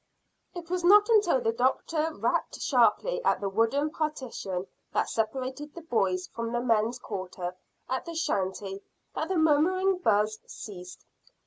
It was not until the doctor rapped sharply at the wooden partition that separated the boys' from the men's quarters at the shanty, that the murmuring buzz ceased.